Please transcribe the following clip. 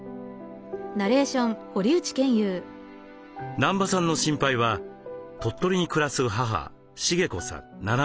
南場さんの心配は鳥取に暮らす母・茂子さん７７歳。